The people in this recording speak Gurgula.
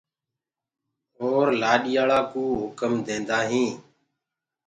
اور لآڏياݪآ ڪوٚ هڪُم ديندآ هين۔